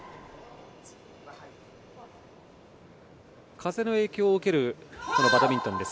風の影響を受けるこのバドミントンです。